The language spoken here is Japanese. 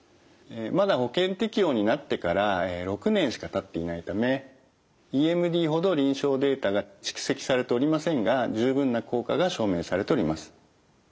まだ保険適用になってから６年しかたっていないためＥＭＤほど臨床データが蓄積されておりませんが十分な効果が証明されております。